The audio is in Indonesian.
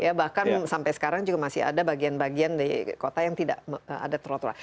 ya bahkan sampai sekarang juga masih ada bagian bagian di kota yang tidak ada trotoar